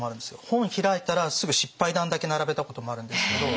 本開いたらすぐ失敗談だけ並べたこともあるんですけど。